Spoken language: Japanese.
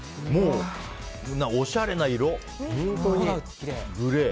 おしゃれな色、グレー。